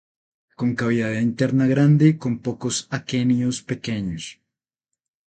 Con cavidad interna grande, con pocos aquenios pequeños.